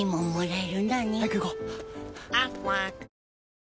え？